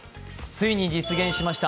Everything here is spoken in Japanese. ついに実現しました。